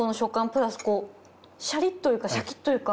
プラスシャリッというかシャキッというか。